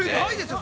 ◆ないですよ。